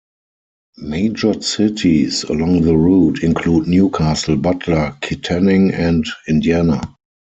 Major cities along the route include New Castle, Butler, Kittanning, and Indiana.